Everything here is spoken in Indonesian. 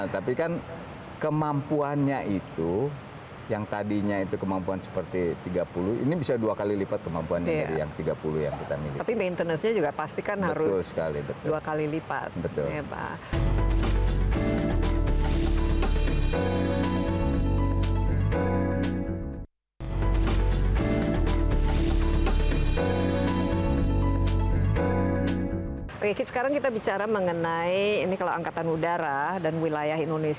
tapi kan kemampuannya itu yang tadinya itu kemampuan seperti tiga puluh ini bisa dua kali lipat kemampuan ini dari yang tiga puluh yang kita miliki